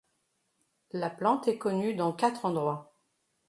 La plante est connue dans quatre endroits.